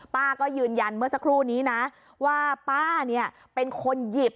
ป้าก็ยืนยันเมื่อสักครู่นี้นะว่าป้าเนี่ยเป็นคนหยิบ